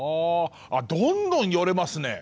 どんどん寄れますね。